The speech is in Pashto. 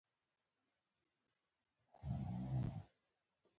خو دا غوښتنې هم خیالي جوړې شوې دي.